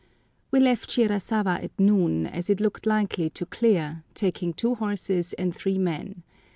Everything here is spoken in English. We left Shirasawa at noon, as it looked likely to clear, taking two horses and three men.